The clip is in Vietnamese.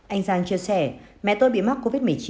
anh giang chia sẻ mẹ tôi bị mắc covid một mươi chín